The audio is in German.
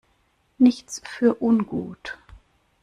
Nichts für ungut!